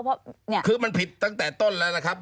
เพราะเนี่ยคือมันผิดตั้งแต่ต้นแล้วนะครับ